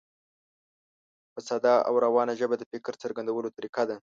په ساده او روانه ژبه د فکر څرګندولو طریقه ده.